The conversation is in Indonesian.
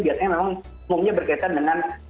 biar memang semuanya berkaitan dengan